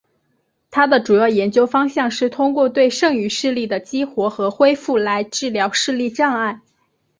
他的主要研究方向是通过对剩余视力的激活和恢复来治疗视力障碍。